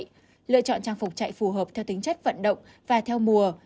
cần phải lựa chọn trang phục chạy phù hợp theo tính chất vận động và theo mùa